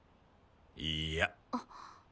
いいや。